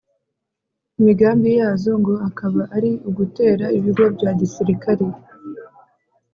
imigambi yazo ngo akaba ari ugutera ibigo bya gisirikari